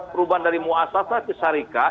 perubahan dari muasata ke syarikat